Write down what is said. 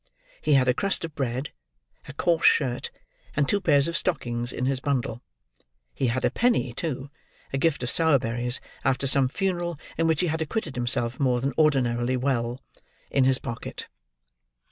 He had a crust of bread, a coarse shirt, and two pairs of stockings, in his bundle. He had a penny too—a gift of Sowerberry's after some funeral in which he had acquitted himself more than ordinarily well—in his pocket.